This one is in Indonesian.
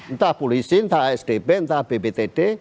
entah polisi entah asdp entah bptd